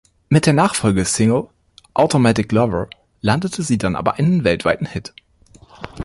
Mit der Nachfolgesingle "Automatic Lover" landete sie dann aber einen weltweiten Hit.